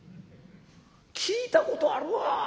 「聞いたことあるわ。